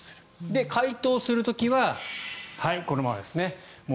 で、解凍する時はこのままですね。